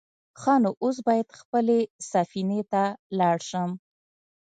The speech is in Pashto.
_ښه نو، اوس بايد خپلې سفينې ته لاړ شم.